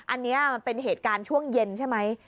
อันนี้มันเป็นเหตุการณ์ช่วงเย็นใช่ไหม